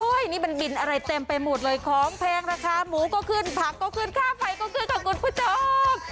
นี่มันบินอะไรเต็มไปหมดเลยของแพงราคาหมูก็ขึ้นผักก็ขึ้นค่าไฟก็ขึ้นค่ะคุณผู้ชม